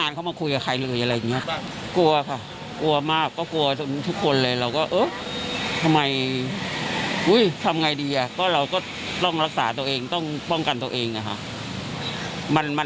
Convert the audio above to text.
มันเกิดมาแล้วเราก็ต้องช่วยเหลือตัวเองนั่นแหละ